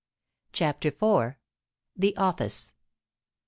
CHAPTER IV. THE OFFICE.